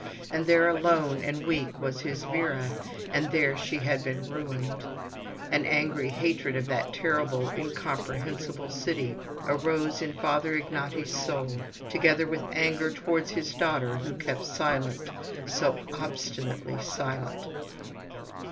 And there alone and weak was his Vera, and there she had been ruined. An angry hatred of that terrible incomprehensible city arose in Father Ignaty's soul, together with anger towards his daughter, who kept silent, so obstinately silent.